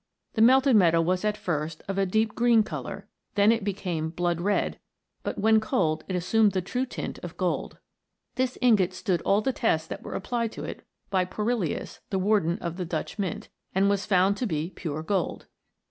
The melted metal was at first of a deep green colour, then it became blood red, but when cold it assumed the true tint of gold. This MODEKN ALCHEMY. 79 ingot stood all the tests that were applied to it by Porelius, the Warden of the Dutch Mint, and was found to be pure gold